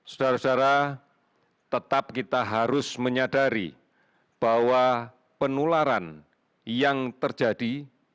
saudara saudara tetap kita harus menyadari bahwa penularan yang terjadi